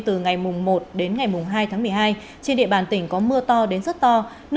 từ ngày một đến ngày hai tháng một mươi hai trên địa bàn tỉnh có mưa to đến rất to